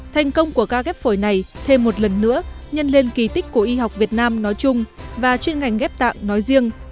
thành công của ca ghép phổi này thêm một lần nữa nhân lên kỳ tích của y học việt nam nói chung và chuyên ngành ghép tạng nói riêng